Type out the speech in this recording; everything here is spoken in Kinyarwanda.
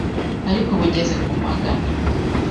Arko ubu ngeze ku magana